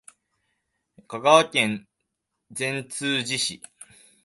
香川県善通寺市